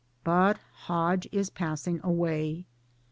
" But Hodge is passing away.